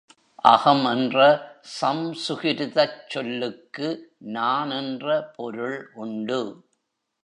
அகம் என்ற சம்சுகிருதச் சொல்லுக்கு நான் என்ற பொருள் உண்டு.